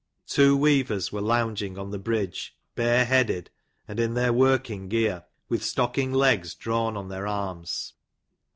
Two weavers were lounging on the bridge, bareheaded, and in their working gear, with stocking legs drawn on' their arms.